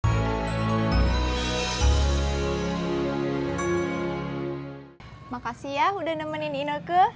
terima kasih ya udah nemenin ineke